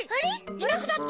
いなくなった！